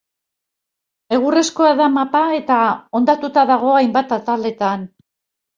Egurrezkoa da mapa eta hondatuta dago hainbat ataletan.